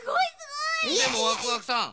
でもワクワクさん